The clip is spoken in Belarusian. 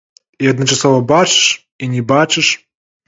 І адначасова бачыш, і не бачыш.